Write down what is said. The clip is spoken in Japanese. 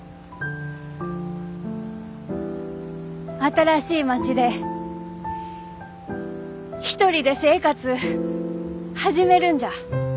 新しい町で一人で生活う始めるんじゃ。